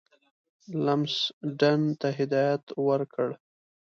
لمسډن ته هدایت ورکړ.